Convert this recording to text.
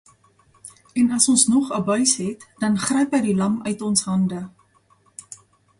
En as ons nog abuis het, dan gryp hy die lam uit ons hande.